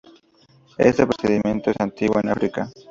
Este procedimiento es antiguo en África.